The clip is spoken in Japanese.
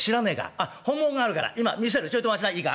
あっ本物があるから今見せるちょいと待ちないいか？